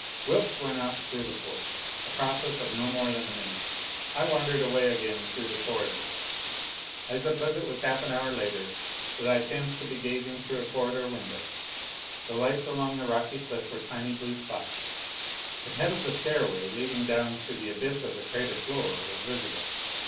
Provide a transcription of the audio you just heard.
Wilks went out through the ports a process of no more than a minute. I wandered away again through the corridors. I suppose it was half an hour later that I chanced to be gazing through a corridor window. The lights along the rocky cliff were tiny blue spots. The head of the stairway leading down to the abyss of the crater floor was visible.